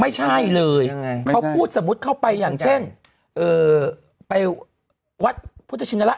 ไม่ใช่เลยเขาพูดสมมุติเข้าไปอย่างเช่นไปวัดพุทธชินระ